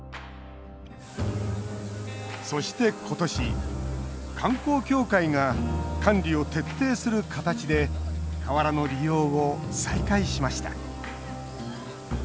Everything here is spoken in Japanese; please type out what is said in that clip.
そして、今年観光協会が管理を徹底する形で河原の利用を再開しました。